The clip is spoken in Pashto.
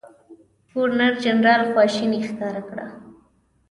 ګورنرجنرال خواشیني ښکاره کړه.